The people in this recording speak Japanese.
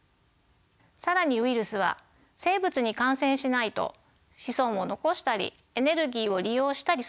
更にウイルスは生物に感染しないと子孫を残したりエネルギーを利用したりすることもできません。